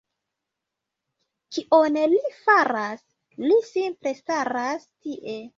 Kion li faras? Li simple staras tie!